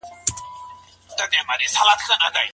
ولي باسواده ښځه په خبرو اسانه پوهيږي؟